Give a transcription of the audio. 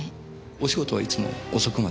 お仕事はいつも遅くまで？